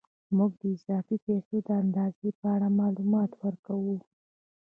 موږ د اضافي پیسو د اندازې په اړه معلومات ورکوو